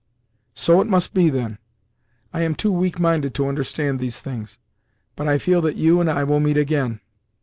"So it must be, then. I am too weak minded to understand these things, but I feel that you and I will meet again.